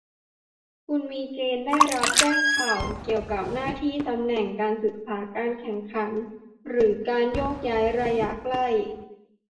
คุณมีเกณฑ์ได้รับแจ้งข่าวเกี่ยวกับหน้าที่ ตำแหน่ง การศึกษา การแข่งขัน หรือการโยกย้ายระยะใกล้